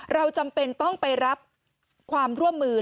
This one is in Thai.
จำเป็นต้องไปรับความร่วมมือ